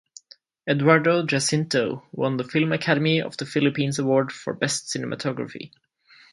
Eduardo Jacinto won the Film Academy of the Philippines Award for Best Cinematography.